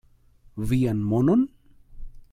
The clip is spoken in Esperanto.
Vian monon?